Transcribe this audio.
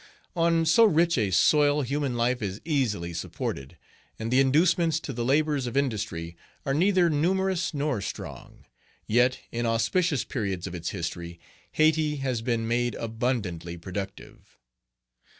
On so rich a soil human life is easily supported, Page 16 and the inducements to the labors of industry are neither numerous nor strong. Yet, in auspicious periods of its history, Hayti has been made abundantly productive.